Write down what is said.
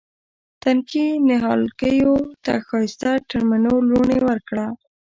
تنکي نهالګیو ته ښایسته ترمڼو لوڼې ورکړه